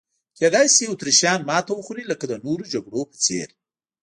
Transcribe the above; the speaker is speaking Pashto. کېدای شي اتریشیان ماته وخوري لکه د نورو جګړو په څېر.